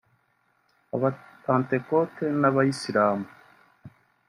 Abapantekoti n’Abayisilamu